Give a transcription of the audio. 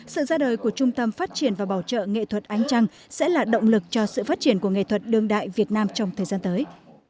sự ra đời của trung tâm phát triển và bảo trợ nghệ thuật ánh trăng sẽ là động lực cho sự phát triển của nghệ thuật đương đại việt nam trong thời gian tới